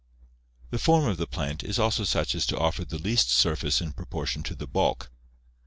The form of the plant is also such as to offer the least surface in proportion to the bulk.